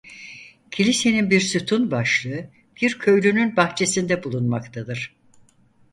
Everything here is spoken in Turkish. Kilisenin bir sütun başlığı bir köylünün bahçesinde bulunmaktadır.